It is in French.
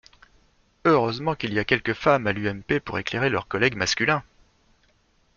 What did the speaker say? Heureusement qu’il y a quelques femmes à l’UMP pour éclairer leurs collègues masculins.